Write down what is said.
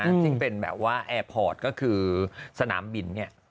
ซึ่งเป็นแบบว่าแอร์พอร์ตก็คือสนามบินเนี่ย